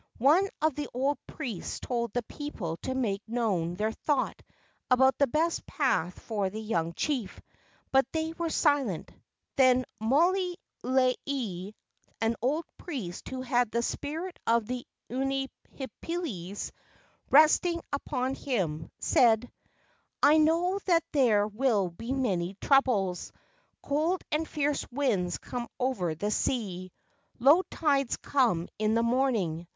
One of the old priests told the people to make known their thought about the best path for the young chief, but they were silent. Then Moli lele, an old priest who had the spirit of the unihipilis resting upon him, said: "I know that there will be many troubles. Cold and fierce winds come over the sea. Low tides come in the morning.